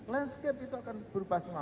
landscape itu akan berubah semua